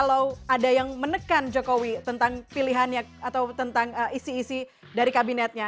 kalau ada yang menekan jokowi tentang pilihannya atau tentang isi isi dari kabinetnya